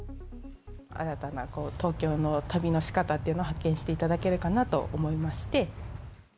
新たな東京の旅のしかたというのを発見していただけるかなと思いまして。